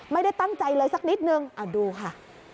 ไม่ได้ตั้งใจเลยสักนิดนึงดูค่ะ